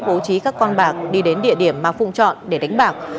bố trí các con bạc đi đến địa điểm mà phụng chọn để đánh bạc